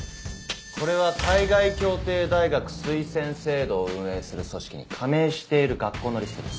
これは海外協定大学推薦制度を運営する組織に加盟している学校のリストです。